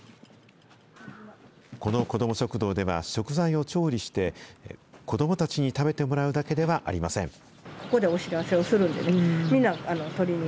この子ども食堂では、食材を調理して、子どもたちに食べてもらうだけではありません。